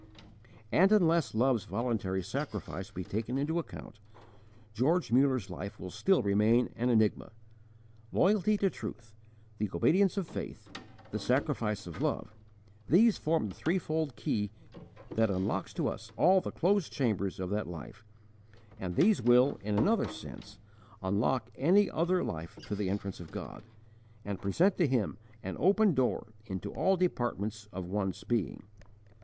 * And unless Love's voluntary sacrifice be taken into account, George Muller's life will still remain an enigma. Loyalty to truth, the obedience of faith, the sacrifice of love these form the threefold key that unlocks to us all the closed chambers of that life, and these will, in another sense, unlock any other life to the entrance of God, and present to Him an open door into all departments of one's being.